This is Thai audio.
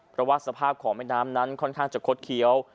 เพราะว่าสภาพของแม่น้ำนั้นค่อนข้างจะคดเคี้ยว